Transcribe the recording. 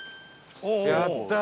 やったー！